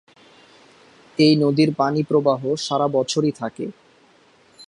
এই নদীর পানিপ্রবাহ সারা বছরই থাকে।